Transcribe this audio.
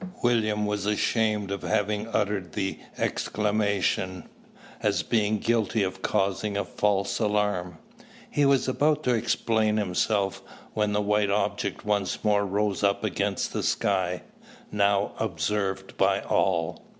William was ashamed of having uttered the exclamation, as being guilty of causing a "false alarm." He was about to explain himself, when the white object once more rose up against the sky, now observed by all.